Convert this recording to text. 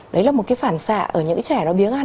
đấy là một cái phản xạ ở những cái trẻ nó biếng ăn